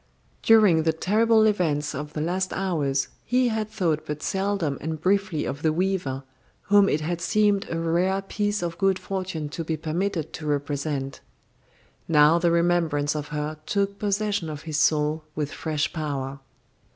During the terrible events of the last hours he had thought but seldom and briefly of the weaver, whom it had seemed a rare piece of good fortune to be permitted to represent. Now the remembrance of her took possession of his soul with fresh power.